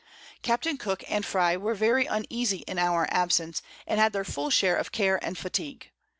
Captain Cook and Frye were very uneasie in our Absence, and had their full Share of Care and Fatigue.